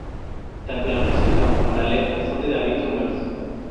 Tanto la música como la letra son de David Summers.